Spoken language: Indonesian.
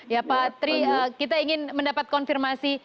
ya patri kita ingin mendapat konfirmasi